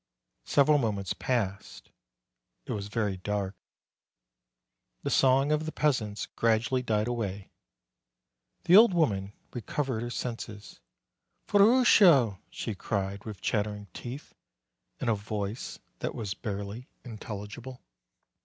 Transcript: Several moments passed. It was very dark. The song of the peasants gradually died away. The old woman recovered her senses. "Ferruccio!" she cried, with chattering teeth, in a voice that was barely intelligible.